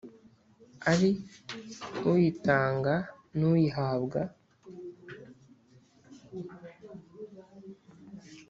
ari uyitanga n’uyihabwa